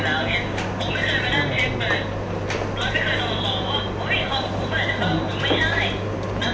ถ้าผมเข้ามาหลายวันแล้วอะไรเนี่ยก็มีหลายคนนะครับที่ไม่ใช่งาน